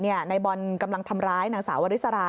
นายบอลกำลังทำร้ายนางสาววริสรา